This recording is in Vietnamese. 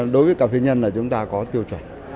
đối với cà phê nhân là chúng ta có tiêu chuẩn